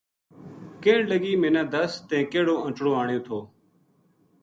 کہن لگی منا دس تیں کِہڑو انٹڑو آنیو تھو